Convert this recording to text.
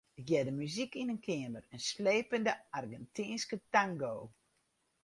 Ik hearde muzyk yn in keamer, in slepende Argentynske tango.